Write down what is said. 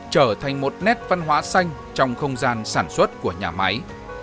trở thành một nét văn hóa xanh trong không gian sản xuất của nhà máy